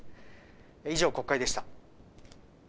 以上、国会でした。